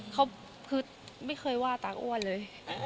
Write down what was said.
เขาไม่เคยว่าตั๊กอ้วนเลย